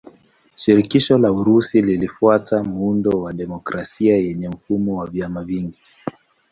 Shirikisho la Urusi linafuata muundo wa demokrasia yenye mfumo wa vyama vingi.